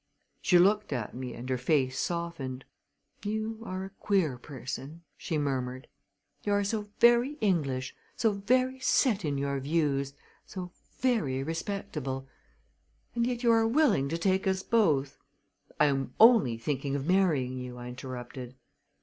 She looked at me and her face softened. "You are a queer person!" she murmured. "You are so very English, so very set in your views, so very respectable; and yet you are willing to take us both " "I am only thinking of marrying you," I interrupted.